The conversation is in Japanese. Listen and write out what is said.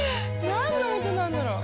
何の音なんだろう？